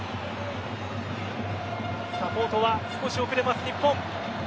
サポートは少し遅れます日本。